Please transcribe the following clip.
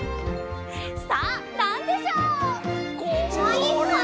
さあなんでしょう？